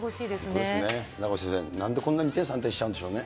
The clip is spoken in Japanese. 本当ですね、名越先生、なんでこんな二転三転しちゃうんでしょうね。